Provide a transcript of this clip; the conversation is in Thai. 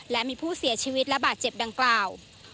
และมีผู้เสียชีวิตและบาดเจ็บดังกล่าว